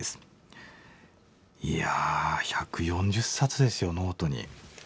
いやあ１４０冊ですよノートに。